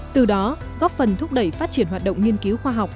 từ đó góp phần thúc đẩy phát triển hoạt động nghiên cứu khoa học